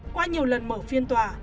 qua nhiều lần mở phiên tòa